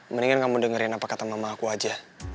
mendingan kamu dengerin apa kata mama aku aja